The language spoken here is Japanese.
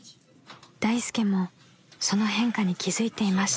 ［大助もその変化に気付いていました］